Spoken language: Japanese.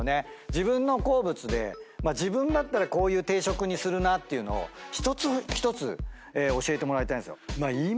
自分の好物で自分だったらこういう定食にするなってのを一つ一つ教えてもらいたいんですよ。